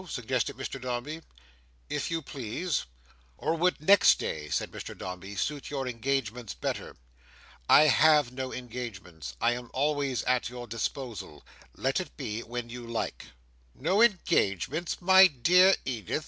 suggested Mr Dombey. "If you please." "Or would next day," said Mr Dombey, "suit your engagements better?" "I have no engagements. I am always at your disposal. Let it be when you like." "No engagements, my dear Edith!"